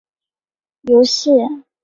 游戏